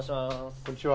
こんにちは。